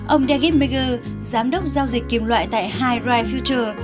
ông david meagher giám đốc giao dịch kiềm loại tại high ride future